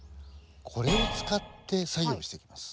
これを使って作業をしていきます。